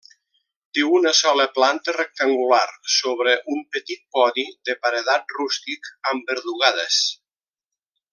Té una sola planta rectangular sobre un petit podi de paredat rústic amb verdugades.